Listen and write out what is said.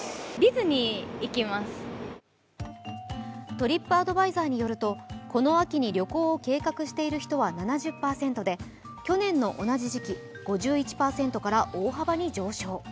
トリップアドバイザーによるとこの秋に旅行を計画している人は７０％で去年の同じ時期５１％から大幅に上昇。